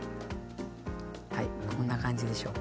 はいこんな感じでしょうか。